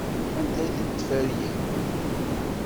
Anda-tent tferyin?